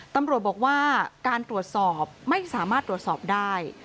ตำรวจบอกว่าการตรวจสอบไม่สามารถตรวจสอบได้